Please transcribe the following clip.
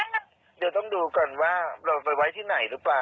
เดี๋ยวต้องดูก่อนว่าเราไปไว้ที่ไหนหรือเปล่า